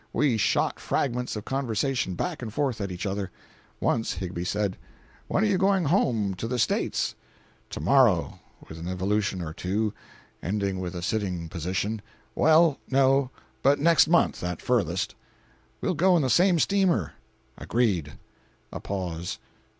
We shot fragments of conversation back and forth at each other. Once Higbie said: "When are you going home—to the States?" "To morrow!"—with an evolution or two, ending with a sitting position. "Well—no—but next month, at furthest." "We'll go in the same steamer." "Agreed." A pause.